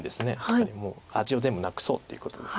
やっぱりもう味を全部なくそうっていうことです。